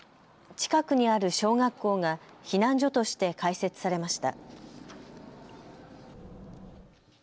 近くにある小学校が避難所として開設されました。